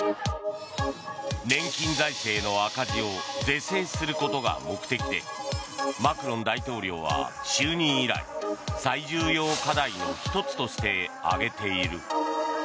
年金財政の赤字を是正することが目的でマクロン大統領は就任以来最重要課題の１つとして挙げている。